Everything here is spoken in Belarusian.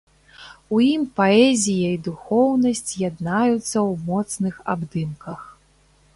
У ім паэзія і духоўнасць яднаюцца ў моцных абдымках.